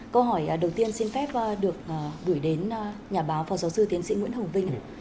câu hỏi đầu tiên xin phép được gửi đến nhà báo phó giáo sư tiến sĩ nguyễn hồng vinh